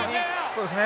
そうですね。